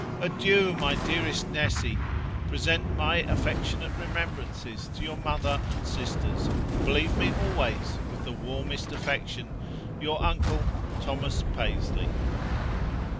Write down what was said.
Adieu! my dearest Nessy present my affectionate remembrances to your mother and sisters, and believe me always, with the warmest affection, Your uncle, THOS. PASLEY.'